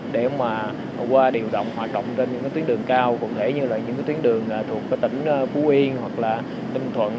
để mà qua điều động hoạt động trên những cái tuyến đường cao có thể như là những cái tuyến đường thuộc cái tỉnh phú yên hoặc là ninh thuận